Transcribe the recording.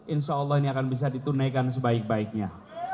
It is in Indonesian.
insya allah ini akan bisa ditunaikan sebaik baiknya